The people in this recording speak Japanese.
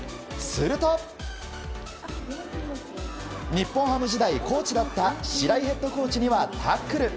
日本ハム時代コーチだった白井ヘッドコーチにはタックル。